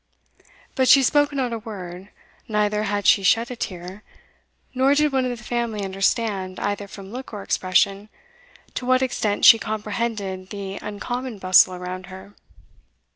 But she spoke not a word neither had she shed a tear nor did one of the family understand, either from look or expression, to what extent she comprehended the uncommon bustle around her.